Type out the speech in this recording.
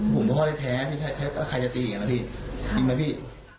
ผมพ่อแท้ใครจะตีอย่างนั้นพี่จริงไหมพี่